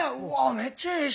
めっちゃええ人。